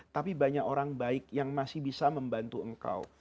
tapi banyak orang baik yang masih bisa membantu engkau